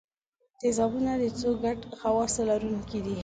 تیزابونه د څو ګډو خواصو لرونکي دي.